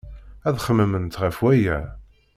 Ad xemmement ɣef waya.